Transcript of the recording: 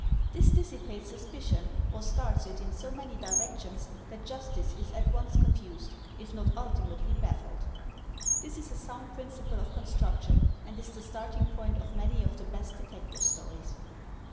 This dissipates suspicion, or starts it in so many directions that justice is at once confused, if not ultimately baffled. This is a sound principle of construction, and is the starting point of many of the best detective stories.